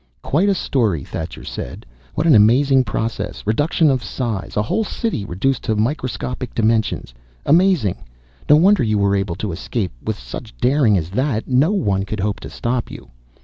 "Quite a story," Thacher said. "What an amazing process, reduction of size A whole City reduced to microscopic dimensions. Amazing. No wonder you were able to escape. With such daring as that, no one could hope to stop you."